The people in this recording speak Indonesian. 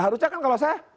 harusnya kan kalau saya